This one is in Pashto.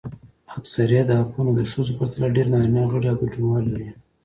اکثریت اپونه د ښځو پرتله ډېر نارینه غړي او ګډونوال لري.